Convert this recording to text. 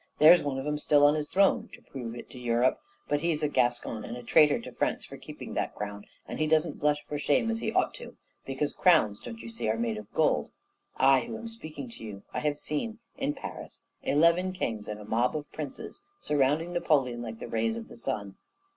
There's one of 'em still on his throne, to prove it to Europe; but he's a Gascon and a traitor to France for keeping that crown; and he doesn't blush for shame as he ought to do, because crowns, don't you see, are made of gold. I who am speaking to you, I have seen, in Paris, eleven kings and a mob of princes surrounding Napoleon like the rays of the sun.